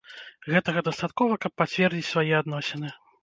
Гэтага дастаткова, каб пацвердзіць свае адносіны.